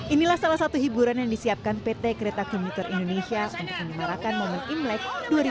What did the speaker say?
inilah salah satu hiburan yang disiapkan pt kereta komuter indonesia untuk menyemarakan momen imlek dua ribu dua puluh